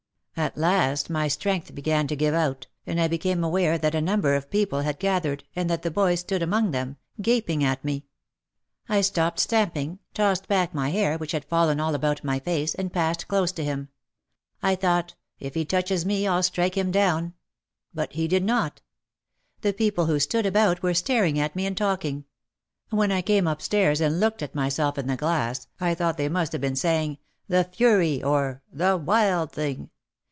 At last my strength began to give out and I became aware that a number of people had gathered and that the boy stood among them, gaping at OUT OF THE SHADOW 99 me. I stopped stamping, tossed back my hair which had fallen all about my face, and passed close to him. I thought, "If he touches me I'll strike him down." But he did not. The people who stood about were staring at me and talking. When I came upstairs and looked at myself in the glass I thought they must have been saying, "The fury," or "The wild thing."